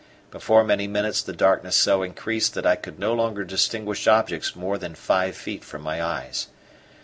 Before many minutes the darkness so increased that I could no longer distinguish objects more than five feet from my eyes.